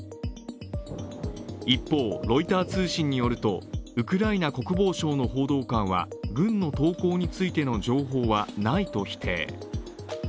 一方、ロイター通信によるとウクライナ国防省の報道官は軍の投降についての情報はないと否定。